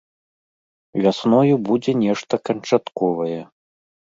Вясною будзе нешта канчатковае.